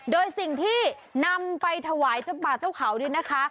โดยสิ่งที่นำไปถวายเจ้าป่าเจ้าเขานี่นะคะ